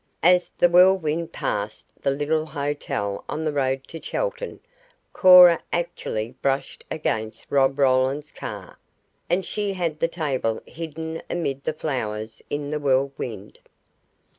As the Whirlwind passed the little hotel on the road to Chelton Cora actually brushed against Rob Roland's car and she had the table hidden amid the flowers in the Whirlwind!